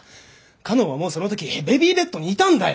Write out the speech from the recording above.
佳音はもうその時ベビーベッドにいたんだよ！